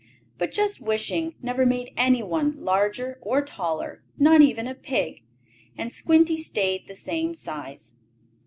But just wishing never made anyone larger or taller, not even a pig, and Squinty stayed the same size.